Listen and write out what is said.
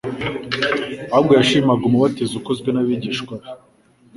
ahubwo yashimaga umubatizo ukozwe n'abigishwa be.